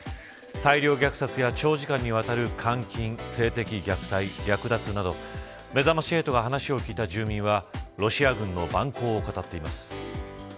大量虐殺や長時間にわたる監禁、性的虐待略奪など、めざまし８が話を聞いた住民はロシア軍の蛮行を語っています。